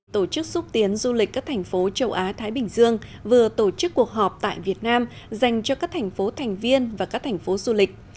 tổ chức xúc tiến du lịch các thành phố châu á thái bình dương vừa tổ chức cuộc họp tại việt nam dành cho các thành phố thành viên và các thành phố du lịch